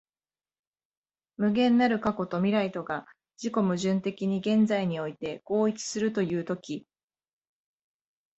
無限なる過去と未来とが自己矛盾的に現在において合一するという時、